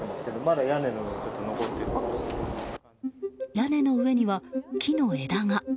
屋根の上には木の枝が。